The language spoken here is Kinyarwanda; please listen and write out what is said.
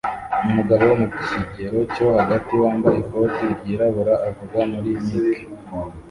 Umugabo wo mu kigero cyo hagati wambaye ikoti ryirabura avuga muri mic